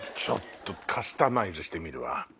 ちょっとカスタマイズしてみるわ。